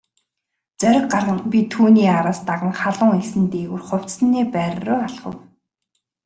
Зориг гарган би түүний араас даган халуун элсэн дээгүүр хувцасны байр руу алхав.